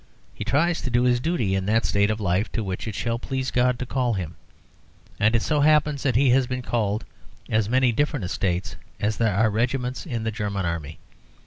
He tries to do his duty in that state of life to which it shall please God to call him; and it so happens that he has been called to as many different estates as there are regiments in the German Army.